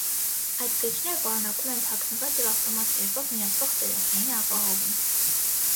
Այդ կրիչները պարունակում են թաքնված և ավտոմատ կերպով միացվող ծրագրային ապահովում։